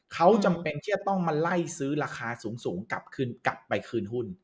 เขาจำเป็นที่จะต้องมาไล่ซื้อราคาสูงกลับคืนกลับไปคืนหุ้น